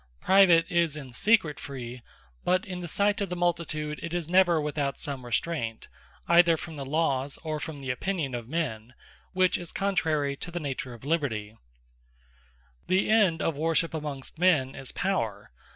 Private, is in secret Free; but in the sight of the multitude, it is never without some Restraint, either from the Lawes, or from the Opinion of men; which is contrary to the nature of Liberty. The End Of Worship The End of Worship amongst men, is Power.